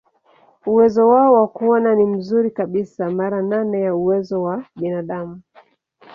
Uwezo wao wa kuona ni mzuri kabisa, mara nane ya uwezo wa binadamu.